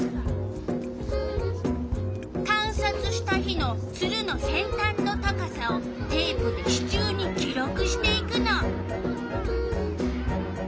観察した日のツルの先端の高さをテープで支柱に記録していくの。